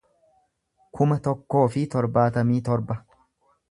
kuma tokkoo fi torbaatamii torba